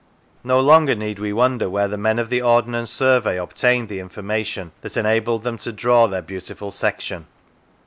No longer need we wonder where the men of the Ordnance Survey obtained the information that enabled them to draw their beautiful section.